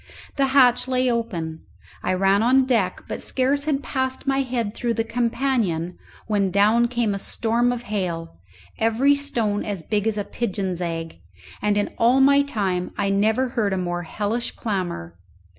The hatch lay open; I ran on deck, but scarce had passed my head through the companion when down came a storm of hail, every stone as big as a pigeon's egg, and in all my time I never heard a more hellish clamour.